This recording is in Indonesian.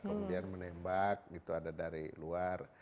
kemudian menembak itu ada dari luar